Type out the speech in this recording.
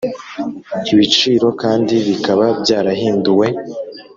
ibiciro kandi bikaba byarahinduwe.